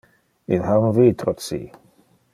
Il ha un vitro ci.